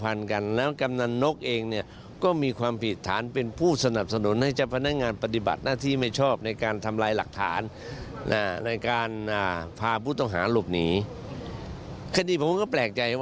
อาจารย์ก็แอบแปลกใจตรงนี้อยู่เหมือนกัน